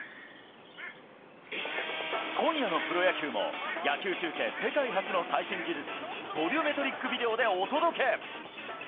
今夜のプロ野球も、野球中継世界初の最新技術、ボリュメトリックビデオでお届け。